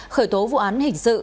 khởi tố vụ án hình sư